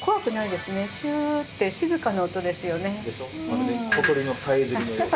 まるで小鳥のさえずりのよう。